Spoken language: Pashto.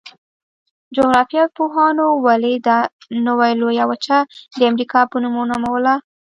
جغرافیه پوهانو ولې دا نوي لویه وچه د امریکا په نوم ونوموله؟